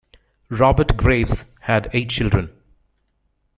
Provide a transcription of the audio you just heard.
Robert Graves had eight children.